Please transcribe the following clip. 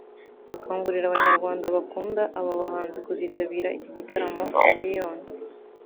dukangurira abanyarwanda bakunda aba bahanzi kuzitabira iki gitaramo - Chameleone